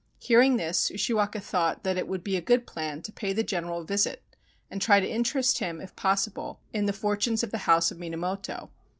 Hearing this, Ushiwaka thought that it would be a good plan to pay the general a visit and try to interest him, if possible, in the fortunes of the House of Minamoto.